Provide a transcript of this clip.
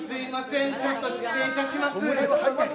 ちょっと失礼いたします。